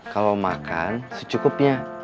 kalau makan secukupnya